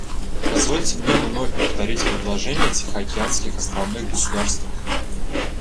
Позвольте мне вновь повторить предложения тихоокеанских островных государств.